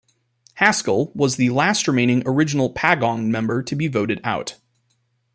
Haskell was the last remaining original Pagong member to be voted out.